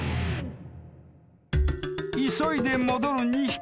［急いで戻る２匹。